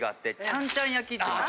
ちゃんちゃん焼きね有名。